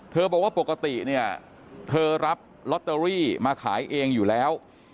บอกว่าปกติเนี่ยเธอรับลอตเตอรี่มาขายเองอยู่แล้ว